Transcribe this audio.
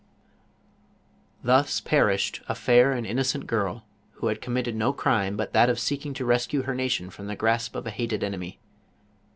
Thu_s perished a fair and innocent girl who had com mitted no crime but that of seeking to rescue heTnalionT from the grasp of a hated enemy.